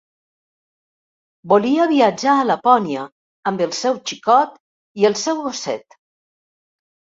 Volia viatjar a Lapònia amb el seu xicot i el seu gosset.